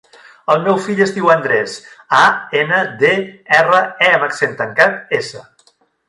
El meu fill es diu Andrés: a, ena, de, erra, e amb accent tancat, essa.